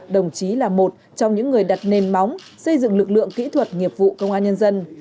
đồng chí là một trong những người đặt nền móng xây dựng lực lượng kỹ thuật nghiệp vụ công an nhân dân